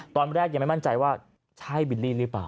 ตอนแรกยังไม่มั่นใจว่าใช่บิลลี่หรือเปล่า